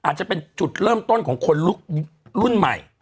มีพื้นส่วนต้นของคนรุ่นใหม่